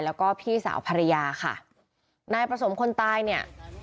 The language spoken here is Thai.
แล้วก็พี่สาวภรรยาค่ะนายประสมคนตายเนี่ย